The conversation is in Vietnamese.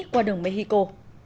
qua đường mexico